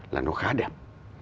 là nó khá đẹp